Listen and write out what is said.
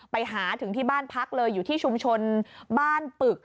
ไปหาถึงที่บ้านพักเลยอยู่ที่ชุมชนบ้านปึก